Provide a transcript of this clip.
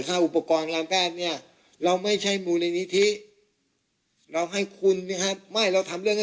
คุณค่าหมอเท่าไหร่